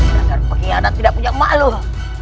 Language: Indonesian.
dasar pengkhianat tidak punya makhluk